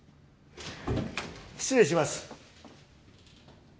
失礼します。